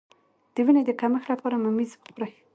د وینې د کمښت لپاره ممیز وخورئ